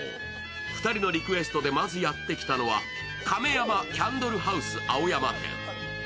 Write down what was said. ２人のリクエストでまずやって来たのは、カメヤマキャンドルハウス青山店。